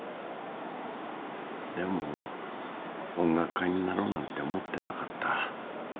でも音楽家になろうなんて思ってなかった。